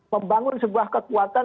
membangun sebuah kekuatan